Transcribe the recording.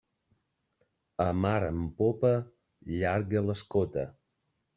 A mar en popa, llarga l'escota.